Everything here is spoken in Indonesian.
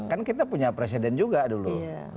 kan kita punya presiden juga dulu